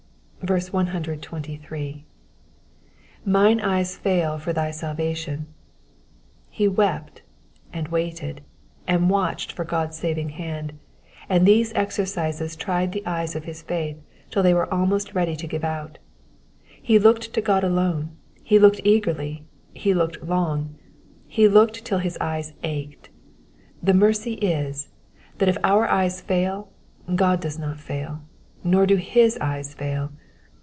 123. ^'Mlne eyes fail for thy Mlvation,^' He wept, waited, and watched for God's saving hand, and these exercises tried the eyes of his faith till they were almost ready to give out. He looked to God alone, he looked eagerly, he looked long, he looked till his eyes ached. The mercy is, that if our eyes fail, God does not fail, nor do his eyes fail.